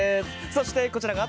そしてこちらが。